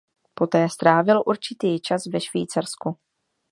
Poté strávil určitý čas ve Švýcarsku.